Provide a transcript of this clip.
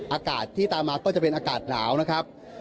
อากาศที่ตามมาก็จะเป็นอากาศหนาวนะครับ